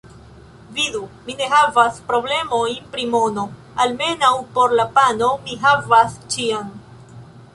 Vidu: mi ne havas problemojn pri mono, almenaŭ por la pano mi havas ĉiam.